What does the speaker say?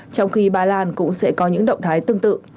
trong khi ba lan cũng sẽ có những động thái tương tự